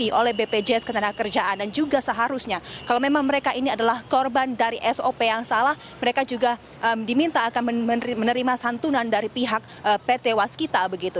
ini oleh bpjs ketenagakerjaan dan juga seharusnya kalau memang mereka ini adalah korban dari sop yang salah mereka juga diminta akan menerima santunan dari pihak pt waskita begitu